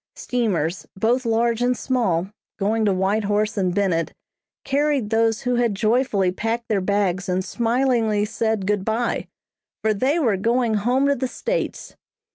Steamers, both large and small, going to White Horse and Bennett, carried those who had joyfully packed their bags and smilingly said good bye; for they were going home to the "States."